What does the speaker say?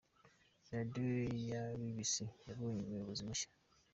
Radiyo ya bibisi yabonye umuyobozi mushya